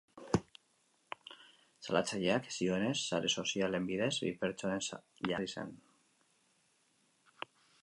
Salatzaileak zioenez, sare sozialen bidez, bi pertsonen jazarpena pairatzen ari zen.